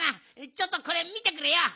ちょっとこれみてくれよ。